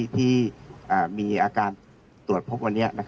ที่มีอาการตรวจพบวันนี้